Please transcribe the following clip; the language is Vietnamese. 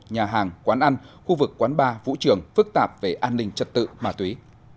nhà hàng quán ăn khu vực quán bar vũ trường phức tạp về an ninh trật tự ma túy